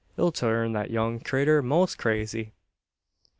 It'll turn that young critter 'most crazy!"